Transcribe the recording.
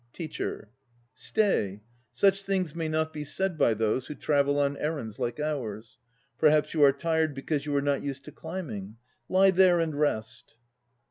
TEACHER. Stay! Such things may not be said by those who travel on errands like ours. Perhaps you are tired because you are not used to climb ing. Lie there and rest.